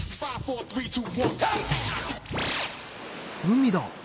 海だ。